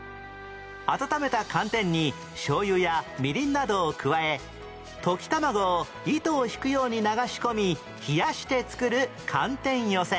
温めた寒天に醤油やみりんなどを加え溶き卵を糸を引くように流し込み冷やして作る寒天寄せ